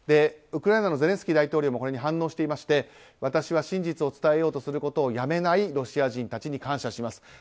ウクライナのゼレンスキー大統領もこれに反応していまして私は真実を伝えようとすることをやめないロシア人たちに感謝します。